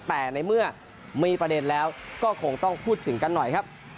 แต่ในเมื่อมีประเด็นแล้วก็คงต้องพูดถึงกันหน่อยครับ